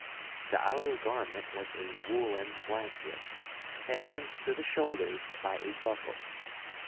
The outer garment was a woollen blanket, fastened to the shoulders by a buckle.